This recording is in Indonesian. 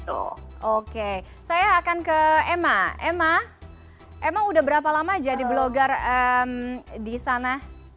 oke saya akan ke emma emma emma udah berapa lama jadi blogger di sana